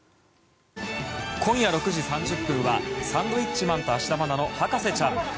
今夜６時３０分は「サンドウィッチマン＆芦田愛菜の博士ちゃん」。